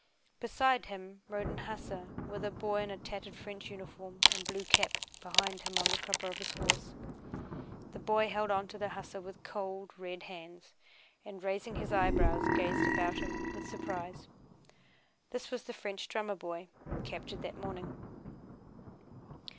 Beside him rode an hussar, with a boy in a tattered French uniform and blue cap behind him on the crupper of his horse. The boy held on to the hussar with cold, red hands, and raising his eyebrows gazed about him with surprise. This was the French drummer boy captured that morning.